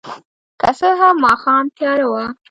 که څه هم ماښام تیاره وه.